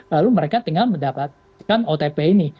lalu mereka tinggal mendapatkan otp ini